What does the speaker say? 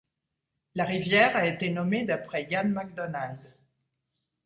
La Rivière a été nommée d'après Ian MacDonald.